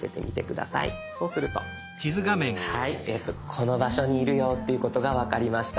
この場所にいるよっていうことが分かりました。